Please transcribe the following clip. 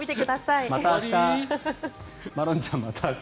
また明日。